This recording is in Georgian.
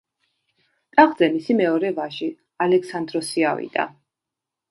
ტახტზე მისი მეორე ვაჟი ალექსანდროსი ავიდა.